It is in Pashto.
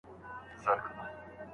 هیڅوک باید دا لاره هېر نه کړي.